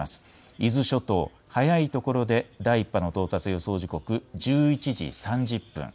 伊豆諸島早いところで第１波の到達予想時刻、１１時３０分。